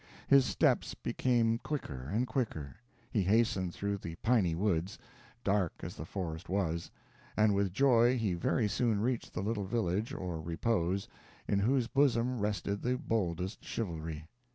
His steps became quicker and quicker he hastened through the _piny _woods, dark as the forest was, and with joy he very soon reached the little village of repose, in whose bosom rested the boldest chivalry.